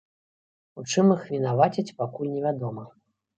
У чым іх вінавацяць, пакуль невядома.